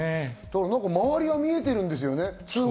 周りが見えてるんですよね。